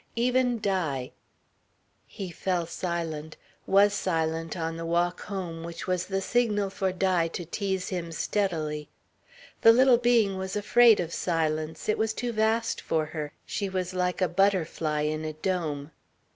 Even Di ... He fell silent, was silent on the walk home which was the signal for Di to tease him steadily. The little being was afraid of silence. It was too vast for her. She was like a butterfly in a dome.